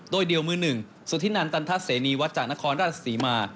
โดยเดียวมือ๑สุธินันตันทัศนีวัดจากนครราศสีมา